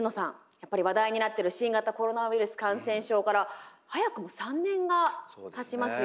やっぱり話題になってる新型コロナウイルス感染症から早くも３年がたちますよね。